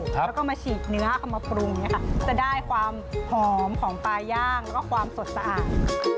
แล้วก็มาฉีกเนื้อเอามาปรุงเนี่ยค่ะจะได้ความหอมของปลาย่างแล้วก็ความสดสะอาด